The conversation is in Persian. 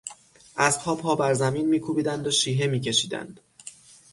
اسبها پا بر زمین میکوبیدند و شیهه میکشیدند.